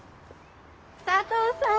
佐藤さん